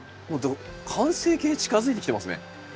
完成形近づいてきてますね。